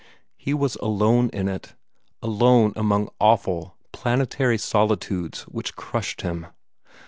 He was alone on it alone among awful, planetary solitudes which crushed him.